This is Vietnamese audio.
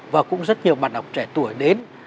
và cũng rất nhiều bà đọc trẻ tuổi đến